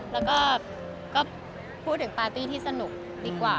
แล้วก็พูดถึงปาร์ตี้ที่สนุกดีกว่า